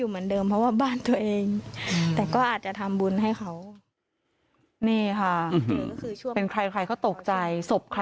อ๋อไปอย่างนี้หมู่จะใกล้อยู่ไหมคะ